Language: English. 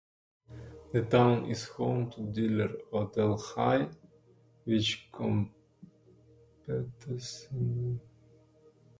The town is home to Diller-Odell High, which competes in the Pioneer Conference.